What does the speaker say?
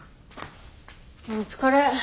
お疲れ。